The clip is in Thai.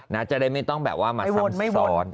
จะได้ไม่ต้องแบบว่ามาซ้ำซ้อน